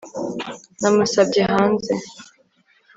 Namusabye hanze